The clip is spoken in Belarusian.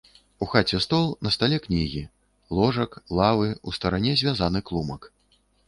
У хаце стол, на стале кнігі, ложак, лавы, у старане звязаны клумак.